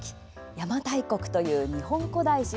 邪馬台国という日本古代史